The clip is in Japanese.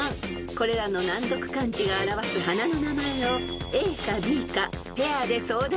［これらの難読漢字が表す花の名前をＡかＢかペアで相談してお答えください］